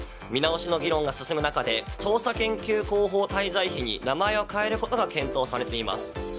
見直しの議論が進む中で調査研究広報滞在費に名前を変えることが検討されています。